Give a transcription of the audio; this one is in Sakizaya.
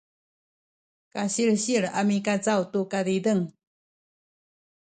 kasilsil a mikacaw tu kazizeng